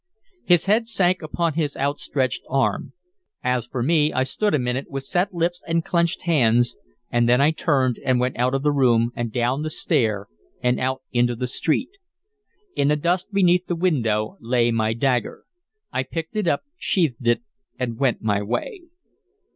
His head sank upon his outstretched arm. As for me, I stood a minute with set lips and clenched hands, and then I turned and went out of the room and down the stair and out into the street. In the dust beneath the window lay my dagger. I picked it up, sheathed it, and went my way.